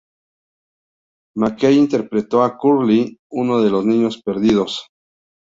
MacKay interpretó a Curly, uno de los niños perdidos.